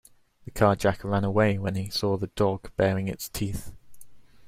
The carjacker ran away when he saw the dog baring its teeth.